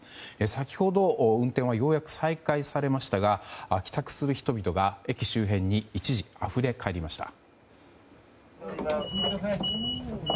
先程、運転はようやく再開されましたが帰宅する人々が、駅周辺に一時、あふれ返りました。